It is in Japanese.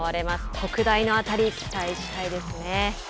特大の当たり期待したいですね。